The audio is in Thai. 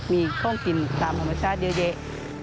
มีข้องกินตามฮมาชาติเยอะแยะ